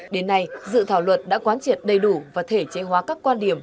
đến nay dự thảo luật đã quán triệt đầy đủ và thể chế hóa các quan điểm